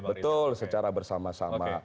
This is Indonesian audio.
betul secara bersama sama